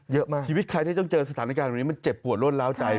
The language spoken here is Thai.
ชีวิตใครที่ต้องเจอสถานการณ์แบบนี้มันเจ็บปวดรวดล้าวใจ